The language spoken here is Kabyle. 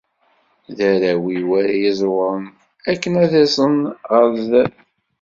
D arraw-im ara iẓewren aken ad aẓen ɣer zdat.